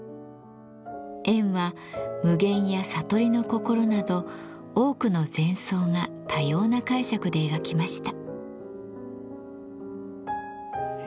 円は無限や悟りの心など多くの禅僧が多様な解釈で描きました。